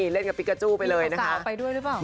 เล่นกับพิกาจูไปเลยมีพรรดาลัยไปด้วยหรือเปล่า